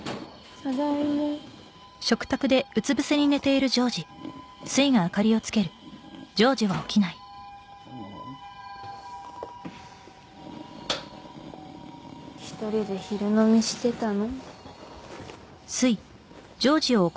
ただいま１人で昼飲みしてたの？